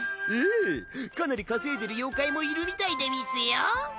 えぇかなり稼いでいる妖怪もいるみたいでうぃすよ。